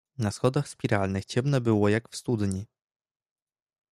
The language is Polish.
"Na schodach spiralnych ciemno było jak w studni."